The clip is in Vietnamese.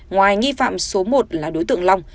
ngoài nghi phạm số một là đối tượng long